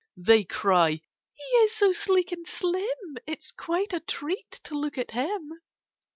They cry "He is so sleek and slim, It's quite a treat to look at him!"